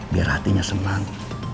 biar hatinya senang